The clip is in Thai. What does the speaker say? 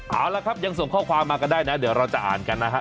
เอาละครับยังส่งข้อความมาก็ได้นะเดี๋ยวเราจะอ่านกันนะฮะ